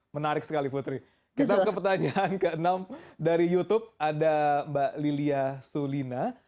menarik sekali putri kita ke pertanyaan ke enam dari youtube ada mbak lilia sulina